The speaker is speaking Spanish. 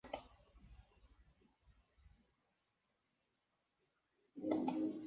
Todos los tipos pueden asignarse a variables nombradas.